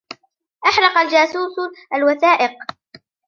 أحرق الجسوس الوثائق.